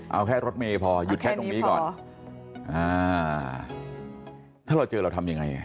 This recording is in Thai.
เอาแค่รถเมย์พอหยุดแค่ตรงนี้ก่อนอ่าถ้าเราเจอเราทำยังไง